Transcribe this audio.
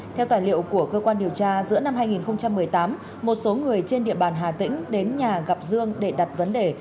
theo tài liệu của cơ quan điều tra giữa năm hai nghìn một mươi tám một số người trên địa bàn hà tĩnh đến nhà gặp dương để đặt vấn đề